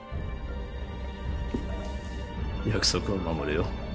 約束は守れよ。